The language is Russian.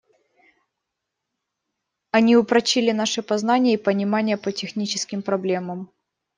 Они упрочили наши познания и понимания по техническим проблемам.